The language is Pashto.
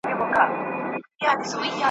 څوک به څرنګه منتر د شیطان مات کړي !.